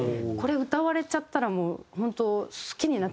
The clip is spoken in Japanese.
これ歌われちゃったらもう本当。